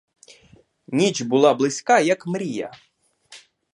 Ніч була близька, як мрія.